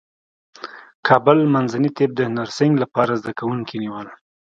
کابل منځني طب د نرسنګ لپاره زدکوونکي نیول